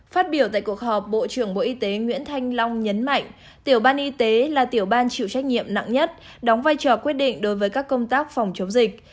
phát biểu tại cuộc họp bộ trưởng bộ y tế nguyễn thanh long nhấn mạnh tiểu ban y tế là tiểu ban chịu trách nhiệm nặng nhất đóng vai trò quyết định đối với các công tác phòng chống dịch